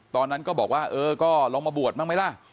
ตอนนั้นก็บอกว่าเออก็ลองมาบวชบ้างไหมล่ะ